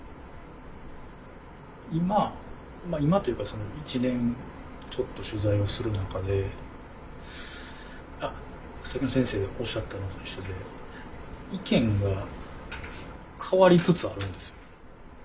今今というか１年ちょっと取材をする中でさっきの先生がおっしゃったのと一緒で意見が変わりつつあるんですよ。